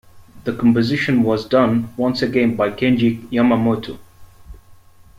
The composition was done once again by Kenji Yamamoto.